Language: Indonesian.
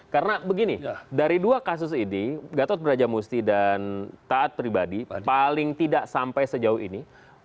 karena begini dari dua kasus ini gatot brajamusti dan taat pribadi paling tidak sampai sejauh ini